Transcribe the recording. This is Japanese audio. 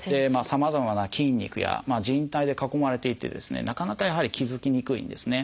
さまざまな筋肉やじん帯で囲まれていてですねなかなかやはり気付きにくいんですね。